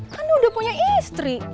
kan udah punya istri